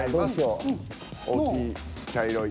「大きい」。